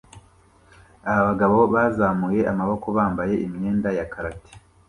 Abagabo bazamuye amaboko bambaye imyenda ya karate